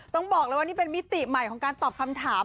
ต้องบอกเลยว่านี่เป็นมิติใหม่ของการตอบคำถาม